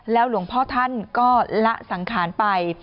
หลวงพ่อท่านก็ละสังขารไป